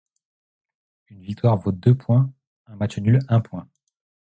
Une victoire vaut deux points, un match nul un point.